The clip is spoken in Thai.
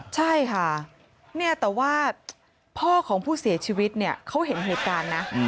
ใช่ค่ะแต่ว่าพ่อของผู้เสียชีวิตเขาเห็นเหตุการณ์นะ